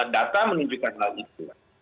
data menunjukkan hal itu